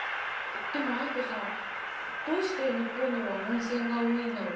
でも藍子さんどうして日本には温泉が多いんだろ？